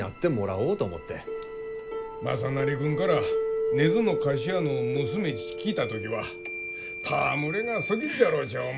雅修君から根津の菓子屋の娘ち聞いた時は戯れがすぎっじゃろうち思ったが。